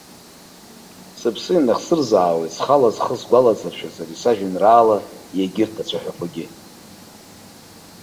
Сыԥсы инахсырзаауеит зхала зхы сгәалазыршәаз ари сажәеинраала егьырҭ ацәаҳәақәагьы.